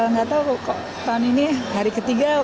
nggak tahu kok tahun ini hari ketiga